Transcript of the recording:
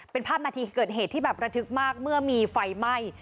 เป็นภาพนาทีเกิดเหตุที่แบบระทึกมากเมื่อมีไฟไหม้